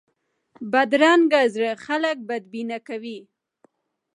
بدرنګه زړه خلک بدبینه کوي